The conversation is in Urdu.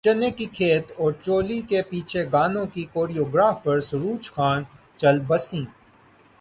چنے کے کھیت اور چولی کے پیچھے گانوں کی کوریوگرافر سروج خان چل بسیں